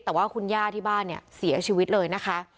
แต่ว่าคุณย่าที่บ้านเนี่ยเสียชีวิตเลยนะคะ